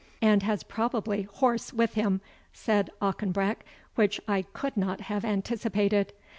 "And has probably horse with him," said Auchenbreck, "which I could not have anticipated.